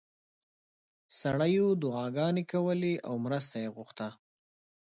سړیو دعاګانې کولې او مرسته یې غوښته.